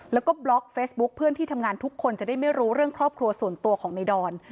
แล้วก็บล็อกเฟซบุ๊คเพื่อนที่ทำงานทุกคนจะได้ไม่รู้เรื่องครอบครัวส่วนตัวของในดอน